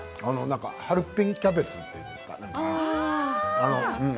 ハルピンキャベツというんですか。